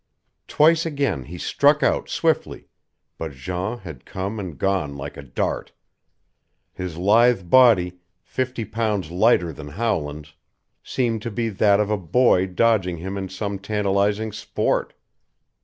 Twice again he struck out swiftly, but Jean had come and gone like a dart. His lithe body, fifty pounds lighter than Howland's, seemed to be that of a boy dodging him in some tantalizing sport.